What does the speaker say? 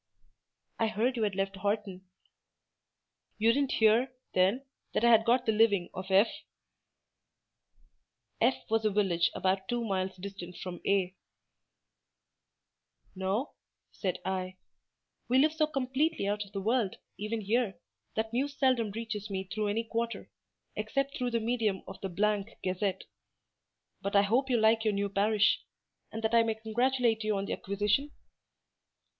"I heard you had left Horton." "You didn't hear, then, that I had got the living of F——?" F—— was a village about two miles distant from A——. "No," said I; "we live so completely out of the world, even here, that news seldom reaches me through any quarter; except through the medium of the —— Gazette. But I hope you like your new parish; and that I may congratulate you on the acquisition?"